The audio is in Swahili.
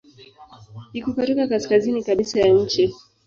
Iko katika kaskazini kabisa ya nchi.